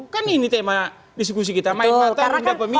kan ini tema diskusi kita main mata rendah pemilu